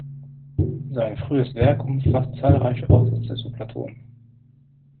Sein frühes Werk umfasst zahlreiche Aufsätze zu Platon.